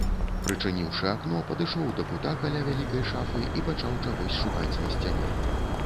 Прычыніўшы акно, падышоў да кута каля вялікай шафы і пачаў чагось шукаць на сцяне.